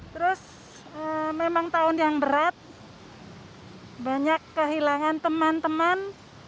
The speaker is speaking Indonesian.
terus memang tahun yang berat banyak kehilangan teman teman